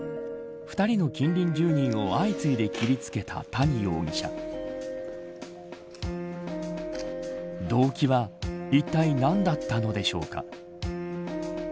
２人の近隣住民を相次いで切りつけた谷容疑者動機はいったい何だったのでしょうか。